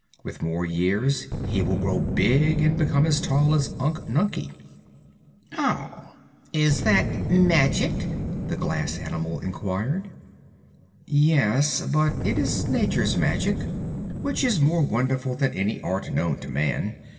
With more years he will grow big and become as tall as Unc Nunkie." "Oh. Is that magic?" the glass animal inquired. "Yes; but it is Nature's magic, which is more wonderful than any art known to man.